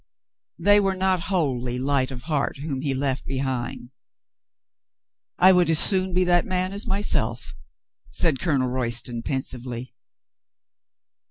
They were not wholly light of heart whom he left behind. "I would as soon be that man as myself," said Colonel Royston pensively.